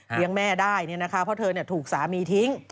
เลี้ยงแม่ได้เนี้ยนะคะพอถึงเนี้ยถูกสามีทิ้ง